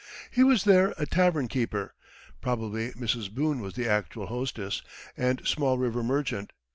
He was there a tavern keeper probably Mrs. Boone was the actual hostess and small river merchant.